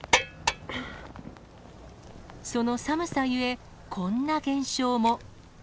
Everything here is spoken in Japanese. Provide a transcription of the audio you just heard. その寒さゆえ、こんな現象も。